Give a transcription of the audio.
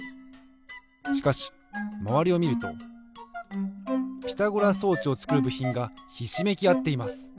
しかしまわりをみるとピラゴラ装置をつくるぶひんがひしめきあっています。